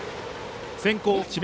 先攻は智弁